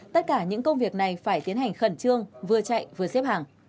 tất cả những công việc này phải tiến hành khẩn trương vừa chạy vừa xếp hàng